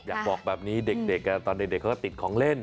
อยากบอกแบบนี้เด็กตอนเด็กเขาก็ติดของเล่น